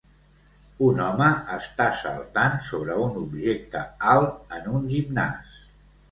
Un home està saltant sobre un objecte alt en un gimnàs.